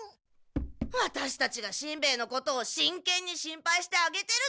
ワタシたちがしんべヱのことを真けんに心配してあげてるのに。